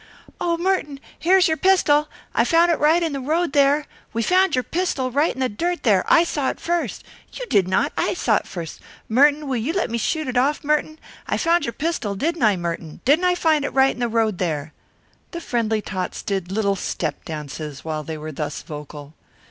"Oh, Merton, here's your pistol. I found it right in the road there." "We found your pistol right in the dirt there. I saw it first." "You did not; I saw it first. Merton, will you let me shoot it off, Merton? I found your pistol, didn't I, Merton? Didn't I find it right in the road there?" The friendly tots did little step dances while they were thus vocal.